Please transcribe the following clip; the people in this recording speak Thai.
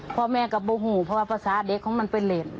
พ่อแม่ก็โมโหเพราะว่าภาษาเด็กของมันเป็นเหรน